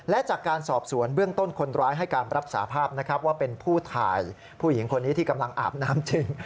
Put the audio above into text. และจากการสอบสวนเบื้องต้นคนร้ายให้การรับสาภาพนะครับว่าเป็นผู้ถ่ายผู้หญิงคนนี้ที่กำลังอาบน้ำจริง